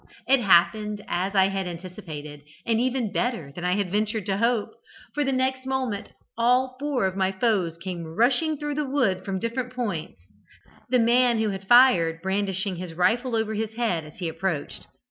It happened as I had anticipated, and even better than I had ventured to hope, for the next moment all four of my foes came rushing through the wood from different points, the man who had fired brandishing his rifle over his head as he approached.